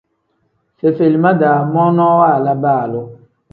Fefelima-daa monoo waaya baaloo.